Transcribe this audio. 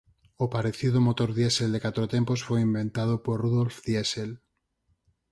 O parecido Motor diésel de catro tempos foi inventado por Rudolf Diesel.